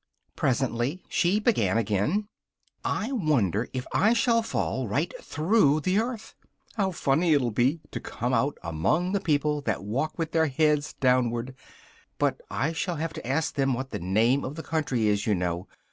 Presently she began again: "I wonder if I shall fall right through the earth! How funny it'll be to come out among the people that walk with their heads downwards! But I shall have to ask them what the name of the country is, you know.